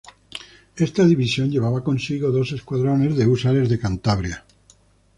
Esta división llevaba consigo dos escuadrones de Húsares de Cantabria.